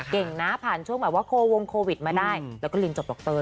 เก่งนะผ่านช่วงแบบว่าโควงโควิดมาได้แล้วก็เรียนจบดร